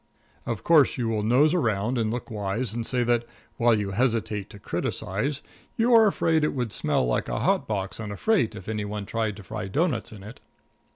Of course, you will nose around it and look wise and say that, while you hesitate to criticize, you are afraid it would smell like a hot box on a freight if any one tried to fry doughnuts in it.